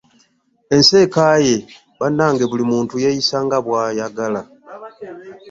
Ensi ekaaye bannange, buli muntu yeeyisa nga bw'ayagala